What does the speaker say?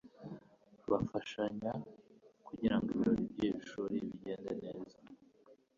Bafashanya kugirango ibirori byishuri bigende neza.